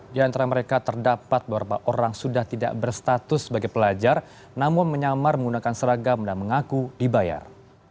di antara mereka terdapat beberapa orang sudah tidak berstatus sebagai pelajar namun menyamar menggunakan seragam dan mengaku dibayar